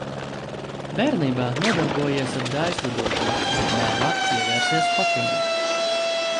Bērnībā nodarbojies ar daiļslidošanu, bet vēlāk pievērsies hokejam.